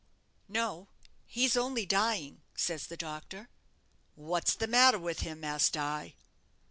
'No; he's only dying,' says the doctor. 'What's the matter with him?' asked I.